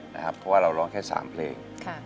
เพราะว่าเราร้องแค่๓เพลง